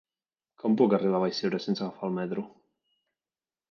Com puc arribar a Vallcebre sense agafar el metro?